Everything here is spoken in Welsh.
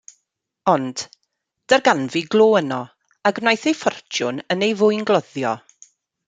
Ond, darganfu glo yno, a gwnaeth ei ffortiwn yn ei fwyngloddio.